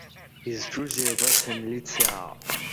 Изҿузеи абарҭ амилициаа?!